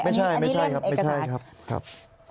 ไม่ใช่ครับ